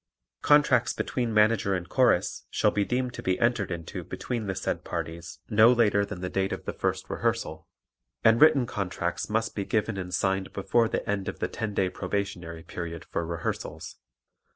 Contracts between Manager and Chorus shall be deemed to be entered into between the said parties no later than the date of the first rehearsal, and written contracts must be given and signed before the end of the ten day probationary period for rehearsals.